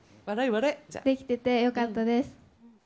できててよかったです。